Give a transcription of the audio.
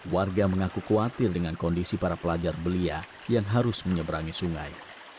warga mengaku khawatir dengan kondisi para pelajar belia yang harus menyeberangi sungai